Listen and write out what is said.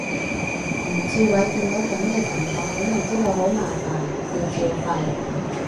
袁志偉見到噉嘅情況肯定知道好麻煩，要照肺